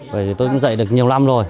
bởi vì tôi cũng dạy được nhiều năm rồi